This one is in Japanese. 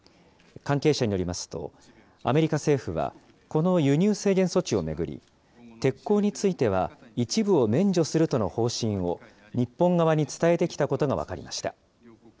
関係者によりますと、アメリカ政府はこの輸入制限措置を巡り、鉄鋼については、一部を免除するとの方針を日本側に伝えてきたことが分かりました。